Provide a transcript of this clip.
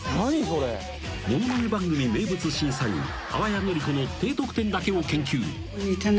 ものまね番組名物審査員淡谷のり子の低得点だけを研究。